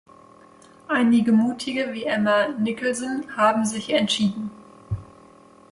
Einige Mutige wie Emma Nicholson haben sich entschieden.